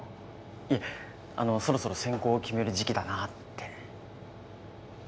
いえそろそろ専攻を決める時期だなって。